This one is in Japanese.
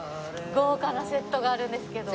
豪華なセットがあるんですけど。